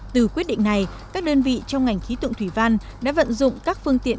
từ quyết định này các đơn vị trong ngành khí tượng thủy văn đã vận dụng các phương tiện